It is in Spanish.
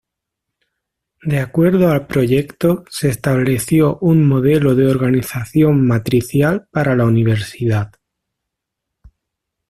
De acuerdo al proyecto se estableció un modelo de organización matricial para la Universidad.